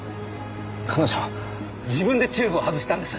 彼女は自分でチューブを外したんです。